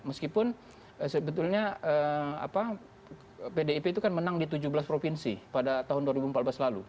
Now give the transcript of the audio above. meskipun sebetulnya pdip itu kan menang di tujuh belas provinsi pada tahun dua ribu empat belas lalu